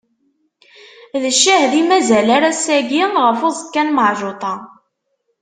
D ccahed i mazal ar ass-agi ɣef uẓekka n Meɛǧuṭa.